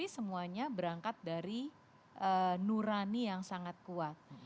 semuanya berangkat dari nurani yang sangat kuat